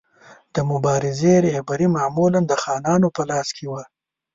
د مبارزې رهبري معمولا د خانانو په لاس کې وه.